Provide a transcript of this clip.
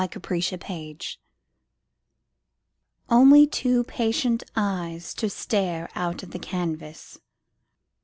FADED PICTURES Only two patient eyes to stare Out of the canvas.